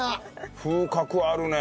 風格あるね。